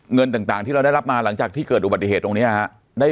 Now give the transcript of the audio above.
เงินต่างที่เราได้รับมาหลังจากที่เกิดอุบัติเหตุตรงนี้ฮะได้